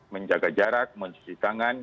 menjaga jarak mencuci tangan